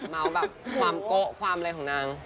เมาส์แบบความโกะความอะไรของนาง